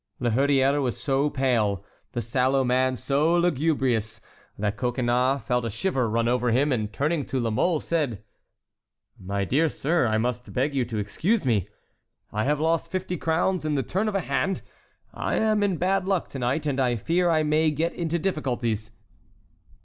La Hurière was so pale, the sallow man so lugubrious, that Coconnas felt a shiver run over him, and turning to La Mole said: "My dear sir, I must beg you to excuse me. I have lost fifty crowns in the turn of a hand. I am in bad luck to night, and I fear I may get into difficulties."